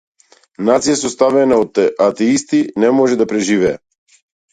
Нација составена од атеисти не може да преживее.